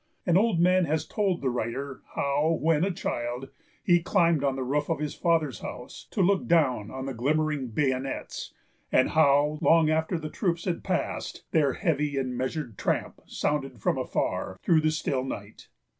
An old man has told the writer how, when a child, he climbed on the roof of his father's house, to look down on the glimmering bayonets, and how, long after the troops had passed, their heavy and measured tramp sounded from afar, through the still night.